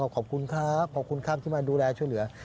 ขอบคุณครับขอบคุณครับที่มาดูแลช่วยเหลือ